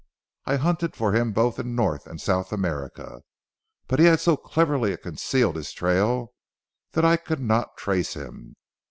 I hunted for him both in North and South America, but he had so cleverly concealed his trail that I could not trace him.